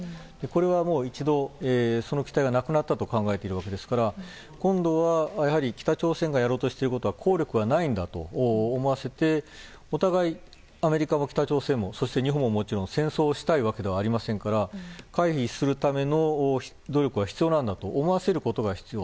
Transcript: これはもう一度、その期待はなくなったと考えているわけですから今度は北朝鮮がやろうとしていることは効力はないと思わせてお互い、アメリカも北朝鮮も日本ももちろん戦争をしたいわけではありませんから会議をするための努力が必要だと思わせることが重要。